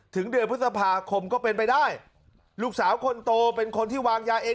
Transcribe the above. ถึงเดือนพฤษภาคมก็เป็นไปได้ลูกสาวคนโตเป็นคนที่วางยาเอง